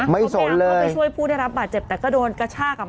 สนเลยเข้าไปช่วยผู้ได้รับบาดเจ็บแต่ก็โดนกระชากอ่ะ